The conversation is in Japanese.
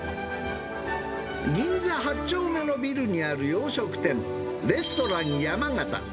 銀座８丁目のビルにある洋食店、レストランヤマガタ。